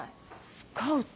スカウト。